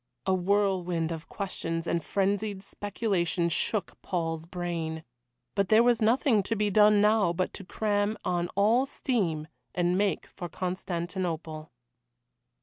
A whirlwind of questions and frenzied speculation shook Paul's brain. But there was nothing to be done now but to cram on all steam and make for Constantinople.